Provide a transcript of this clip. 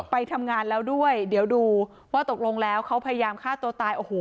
ไปทำงานแล้วด้วยเดี๋ยวดูว่าตกลงแล้วเขาพยายามฆ่าตัวตายโอ้โห